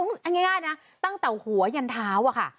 เอาง่ายนะตั้งแต่หัวยันเท้าอะค่ะ